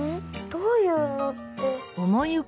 どういうのって。